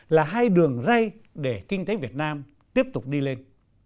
là hai đường ray để kinh tế việt nam tiếp tục đi lên